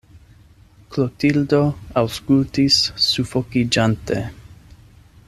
Klotildo aŭskultis sufokiĝante.